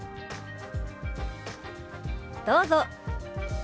どうぞ。